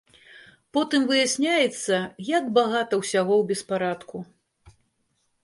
Потым выясняецца, як багата ўсяго ў беспарадку.